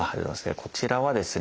こちらはですね